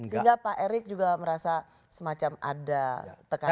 sehingga pak erick juga merasa semacam ada tekanan